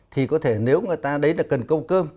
thì có thể nếu người ta đấy là cần câu cơm